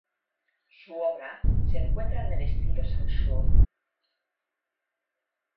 Su obra se encuadra en el estilo Shan shui.